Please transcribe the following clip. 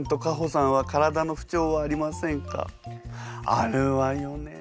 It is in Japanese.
あるわよね。